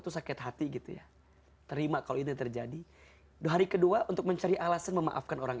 tuh sakit hati gitu ya terima kalau ini terjadi hari kedua untuk mencari alasan memaafkan orang